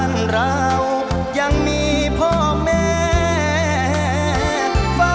ช่วยฝังดินหรือกว่า